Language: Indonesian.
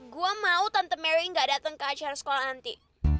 gue mau tante merry nggak dateng ke acara sekolah nanti